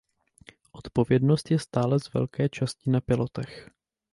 Odpovědnost je stále z velké části na pilotech.